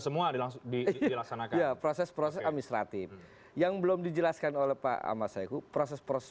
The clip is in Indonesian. semua dilaksanakan proses proses administratif yang belum dijelaskan oleh pak ahmad saiku proses proses